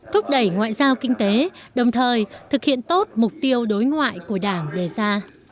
thúc đẩy ngoại giao kinh tế đồng thời thực hiện tốt mục tiêu đối ngoại của đảng đề ra